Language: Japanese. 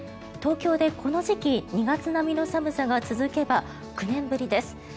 東京でこの時期２月並みの寒さが続けば９年ぶりです。